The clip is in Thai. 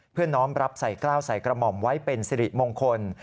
น้องรับใส่กล้าวใส่กระหม่อมไว้เป็นสิริมงคล